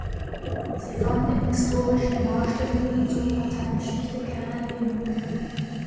Sie fand in historischen Darstellungen zur Parteigeschichte keine Erwähnung.